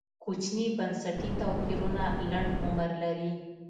کوچني بنسټي توپیرونه لنډ عمر لري.